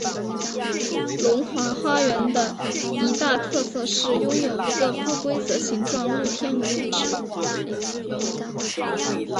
龙华花园的一大特色是拥有一个不规则形状露天游泳池。